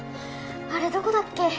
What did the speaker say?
あれどこだっけ？